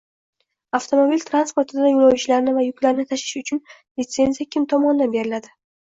Avtomobil transportida yo‘lovchilarni va yuklarni tashish uchun litsenziya kim tomonidan beriladi?